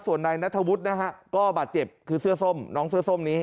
ส่วนนายนัทธวุฒินะฮะก็บาดเจ็บคือเสื้อส้มน้องเสื้อส้มนี้